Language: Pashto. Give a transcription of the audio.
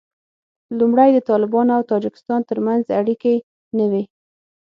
لومړی د طالبانو او تاجکستان تر منځ اړیکې نه وې